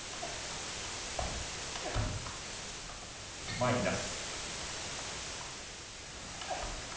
前に出す。